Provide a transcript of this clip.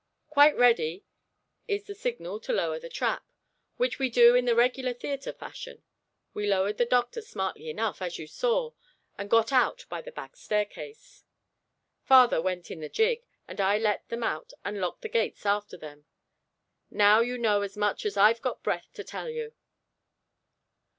'Quite Ready' is the signal to lower the trap, which we do in the regular theater fashion. We lowered the doctor smartly enough, as you saw, and got out by the back staircase. Father went in the gig, and I let them out and locked the gates after them. Now you know as much as I've got breath to tell you."